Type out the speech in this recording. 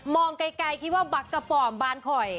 มองไกลคิดว่าบัตรกระป๋อมบานข่อย